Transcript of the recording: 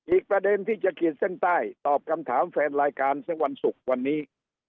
อีกประเด็นที่จะขีดเส้นใต้ตอบคำถามแฟนรายการสักวันศุกร์วันนี้